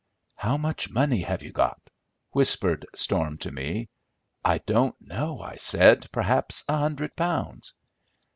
"How much money have you got?" whispered Storm to me. "I don't know," I said, "perhaps a hundred pounds."